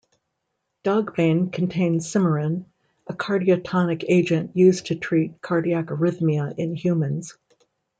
Dogbane contains cymarin, a cardiotonic agent used to treat cardiac arrhythmia in humans.